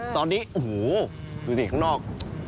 ตอนนี้โอ้โหดูสิข้างนอก